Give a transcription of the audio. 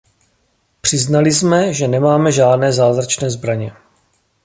Přiznali jsme, že nemáme žádné zázračné zbraně.